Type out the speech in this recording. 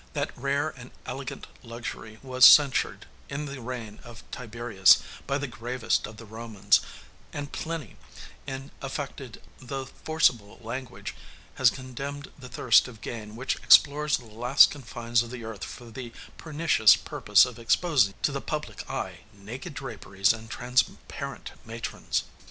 That rare and elegant luxury was censured, in the reign of Tiberius, by the gravest of the Romans; and Pliny, in affected though forcible language, has condemned the thirst of gain which explores the last confines of the earth for the pernicious purpose of exposing to the public eye naked draperies and transparent matrons.